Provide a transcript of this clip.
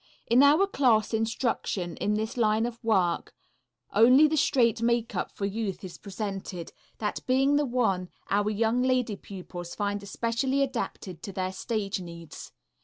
In our class instruction in this line of work only the "straight" makeup for youth is presented, that being the one our young lady pupils find especially adapted to their stage needs.